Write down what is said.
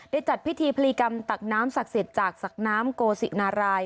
จัดพิธีพลีกรรมตักน้ำศักดิ์สิทธิ์จากศักดิ์น้ำโกศินาราย